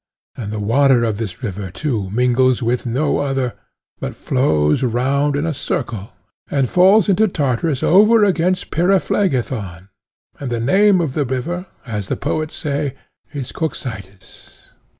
And the water of this river too mingles with no other, but flows round in a circle and falls into Tartarus over against Pyriphlegethon; and the name of the river, as the poets say, is Cocytus.